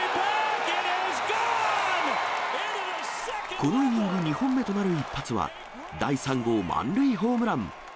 このイニング２本目となる一発は、第３号満塁ホームラン。